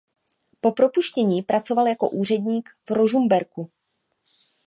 Po propuštění pracoval jako úředník v Ružomberku.